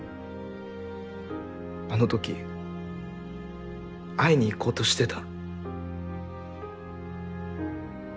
あのとき会いにいこうとしてた。